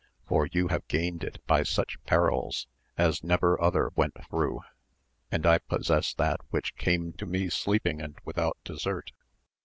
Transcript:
for you have gained it by such perils as never other went through, and I possess that which came to me sleeping and without desert